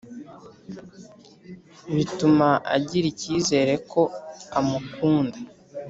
bituma agira icyizere ko umukunda